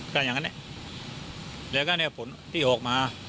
ก็อย่างนั้นเนี่ยแล้วก็เนี่ยผลที่ออกมา